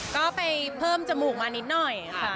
ก็ไปเพิ่มจมูกมานิดหน่อยค่ะ